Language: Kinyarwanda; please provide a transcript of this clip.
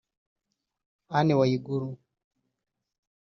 Anne Waiguru